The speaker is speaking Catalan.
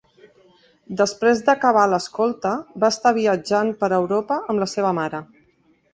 Després d"acabar l"escolta, va estar viatjant per Europa amb la seva mare.